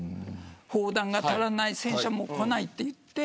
砲弾が足らない戦車もこないと言って。